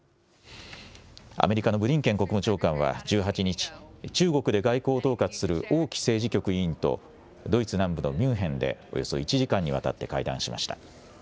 アメリカのブリンケン国務長官は１８日、中国で外交を統括する王毅政治局委員と、ドイツ南部のミュンヘンでおよそ１時間にわたって会談しました。